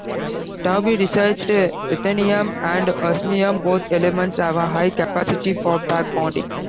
Taube researched ruthenium and osmium, both elements have a high capacity for back bonding.